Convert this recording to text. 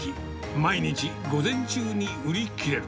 毎日午前中に売り切れる。